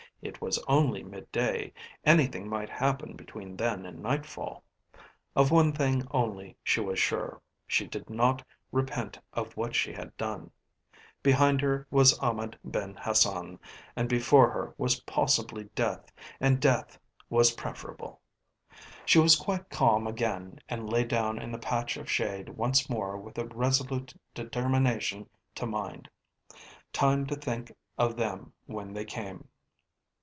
It was only midday, anything might happen between then and nightfall. Of one thing only she was sure, she did not repent of what she had done. Behind her was Ahmed Ben Hassan and before her was possibly death, and death was preferable. She was quite calm again and lay down in the patch of shade once more with a resolute determination to mind. Time to think of them when they came.